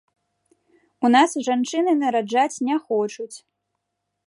У нас жанчыны нараджаць не хочуць.